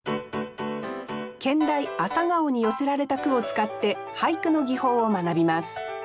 兼題「朝顔」に寄せられた句を使って俳句の技法を学びます